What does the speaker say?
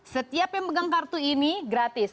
setiap yang pegang kartu ini gratis